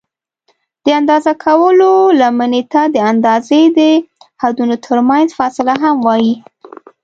د اندازه کولو لمنې ته د اندازې د حدونو ترمنځ فاصله هم وایي.